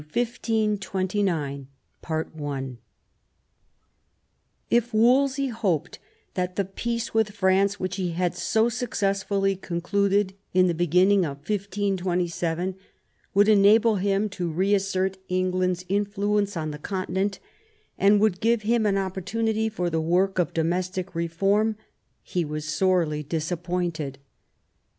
CHAPTER IX THE king's divorce 1527 1529 If Wolsey hoped that the peace with France, which he had so successfully concluded in the beginning of 1527, would enable him to reassert England's influence on the Continent, and would give him an opportunity for the work of domestic reform, he was sorely disappointed.